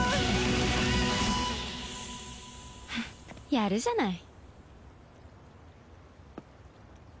やるじゃない。